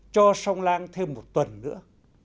cho song lang thêm một tuần nữa